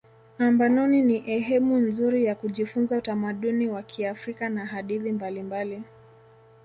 ambanoni ni ehemu nzuri ya kujifunza utamaduni wa kiafrika na hadithi mbalimbali